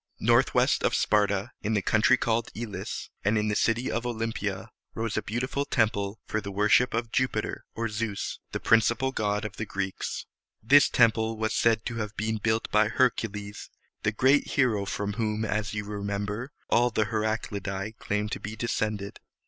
Northwest of Sparta, in the country called E´lis and in the city of O lym´pi a, rose a beautiful temple for the worship of Ju´pi ter (or Zeus), the principal god of the Greeks. This temple was said to have been built by Hercules, the great hero from whom, as you remember, all the Heraclidæ claimed to be descended.